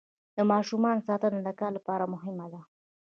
د ماشوم ساتنه د کار لپاره مهمه ده.